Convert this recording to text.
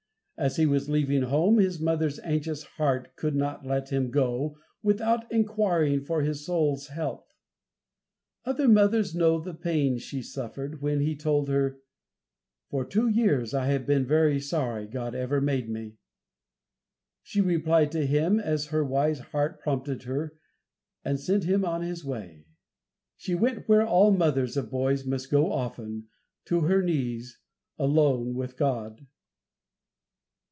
As he was leaving home, his mother's anxious heart could not let him go without enquiring for his soul's health. Other mothers know the pain she suffered, when he told her "for two years I have been sorry God ever made me." She replied to him as her wise heart prompted her, and sent him on his way. She went where all mothers of boys must so often go, to her knees, alone with God.